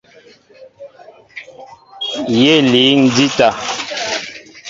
Yé líŋ jíta.